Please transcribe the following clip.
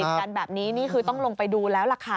กันแบบนี้นี่คือต้องลงไปดูแล้วล่ะค่ะ